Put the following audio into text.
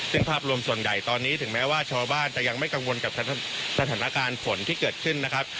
ซึ่งภาพรวมส่วนใหญ่ตอนนี้ถึงแม้ว่าชาวบ้านจะยังไม่กังวลกับสถานการณ์ฝนที่เกิดขึ้นนะครับ